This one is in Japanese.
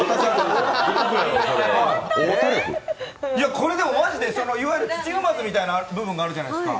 これ、でもマジで土踏まずみたいな部分があるじゃないですか。